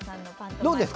どうですか？